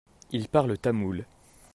Ils parlent tamoul.